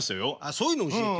そういうの教えて。